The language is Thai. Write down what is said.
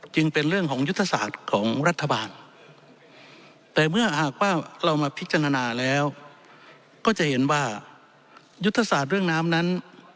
จึงเป็นเรื่องของยุทธศาสตร์ของรัฐบาลแต่เมื่อหากว่าเรามาพิจารณาแล้วก็จะเห็นว่ายุทธศาสตร์เรื่องน้ำนั้น